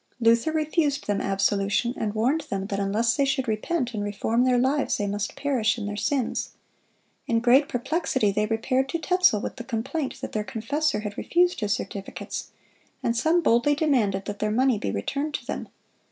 Luther refused them absolution, and warned them that unless they should repent and reform their lives, they must perish in their sins. In great perplexity they repaired to Tetzel with the complaint that their confessor had refused his certificates; and some boldly demanded that their money be returned to them.